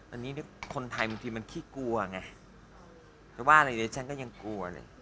อันนี้คนไทยบางทีมันขี้กลัวไงจะว่าอะไรเลยฉันก็ยังกลัวเลย